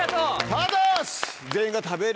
ただし。